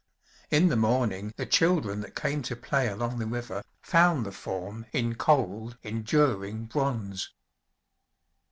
In the morning the children that came to play along the river found the form in cold, enduring bronze.